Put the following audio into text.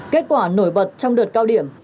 kết quả nổi bật trong đợt cao điểm